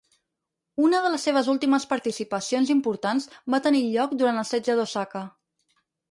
Una de les seves últimes participacions importants va tenir lloc durant el setge d'Osaka.